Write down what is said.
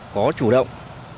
có chủ động